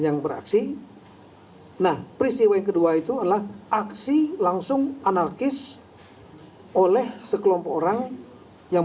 yang beraksi nah peristiwa yang kedua itu adalah aksi langsung anarkis oleh sekelompok orang yang